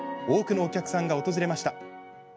多くのお客さんが訪れました。